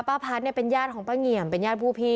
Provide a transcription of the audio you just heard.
พัฒน์เนี่ยเป็นญาติของป้าเงี่ยมเป็นญาติผู้พี่